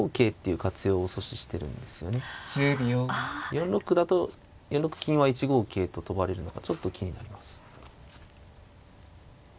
４六だと４六金は１五桂と跳ばれるのがちょっと気になります。